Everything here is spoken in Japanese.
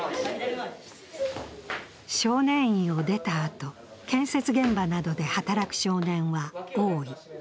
少年院を出たあと、建設現場などで働く少年は多い。